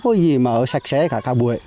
có gì mà sạch sẽ cả cả buổi